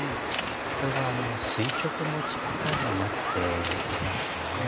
これは垂直持ちパターンになっていますね。